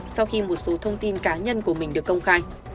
sau khi một số thông tin cá nhân của mình được công khai